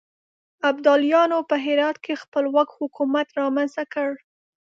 ابدالیانو په هرات کې خپلواک حکومت رامنځته کړ.